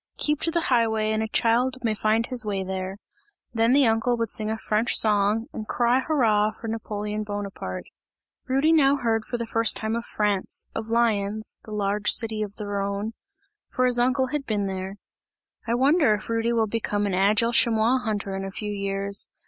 Keep to the highway, and a child may find his way there!" Then the uncle would sing a French song and cry hurrah for Napoleon Bonaparte. Rudy now heard for the first time of France, of Lyons the large city of the Rhone for his uncle had been there. "I wonder if Rudy will become an agile chamois hunter in a few years?